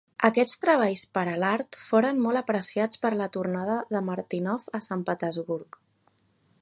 Aquests treballs per a l'art foren molt apreciats per la tornada de Martynov a Sant Petersburg.